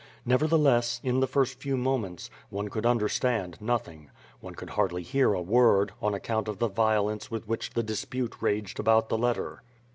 Nevertheless, in the first few moments, one could understand nothing. One could hardly hear a word, on ac count of the violence with which the dispute raged about the letter.